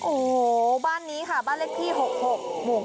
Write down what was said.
โอ้วบ้านนี้ค่ะบ้านเลขที่หก